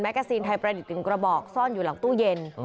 กาซีนไทยประดิษฐ์๑กระบอกซ่อนอยู่หลังตู้เย็น